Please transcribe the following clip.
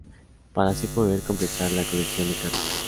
Para así poder completar la colección de cartas.